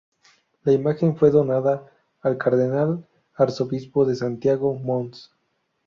La imagen fue donada al Cardenal Arzobispo de Santiago, Mons.